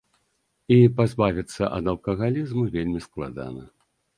І пазбавіцца ад алкагалізму вельмі складана.